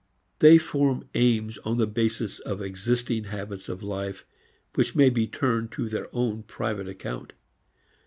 They form aims on the basis of existing habits of life which may be turned to their own private account.